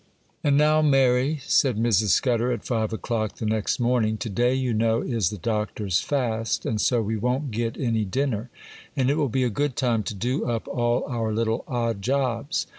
'AND now, Mary,' said Mrs. Scudder, at five o'clock the next morning, 'to day, you know, is the doctor's fast, and so we won't get any dinner, and it will be a good time to do up all our little odd jobs.